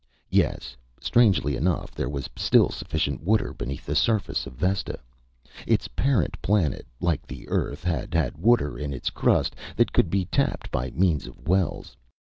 Yes, strangely enough there was still sufficient water beneath the surface of Vesta. Its parent planet, like the Earth, had had water in its crust, that could be tapped by means of wells.